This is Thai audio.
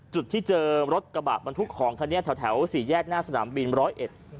จุดที่เจอรถกระบะบรรทุกของคันนี้แถวแถวสี่แยกหน้าสนามบินร้อยเอ็ด